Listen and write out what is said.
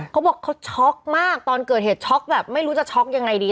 เขาบอกเขาช็อกมากตอนเกิดเหตุช็อกแบบไม่รู้จะช็อกยังไงดี